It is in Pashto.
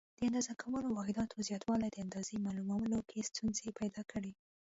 د اندازه کولو واحداتو زیاتوالي د اندازې معلومولو کې ستونزې پیدا کړې.